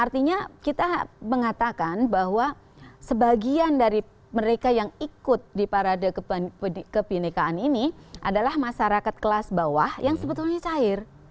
artinya kita mengatakan bahwa sebagian dari mereka yang ikut di parade kebinekaan ini adalah masyarakat kelas bawah yang sebetulnya cair